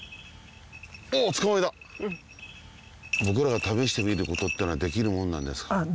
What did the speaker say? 僕らが試してみることっていうのはできるもんなんですか？